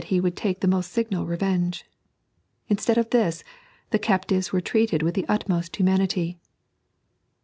be would take the moBt signal ravetige. luetead of this, the captives were treated with the utmost humanity.